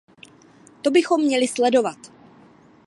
To bychom měli sledovat.